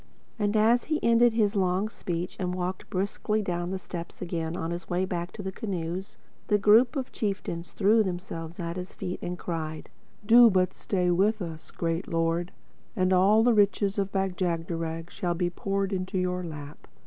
And as he ended his long speech and walked briskly down the steps again on his way back to the canoes, the group of chieftains threw themselves at his feet and cried, "Do but stay with us, Great Lord, and all the riches of Bag jagderag shall be poured into your lap.